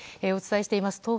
お伝えしています